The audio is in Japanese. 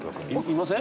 いません？